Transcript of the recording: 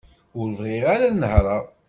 Ur bɣiɣ ara ad nehreɣ.